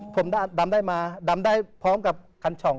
ผมดำได้มาดำได้พร้อมกับคันช่อง